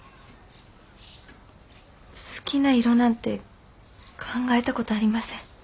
好きな色なんて考えた事ありません。